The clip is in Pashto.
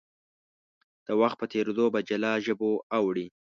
د وخت په تېرېدو په جلا ژبو اوړي.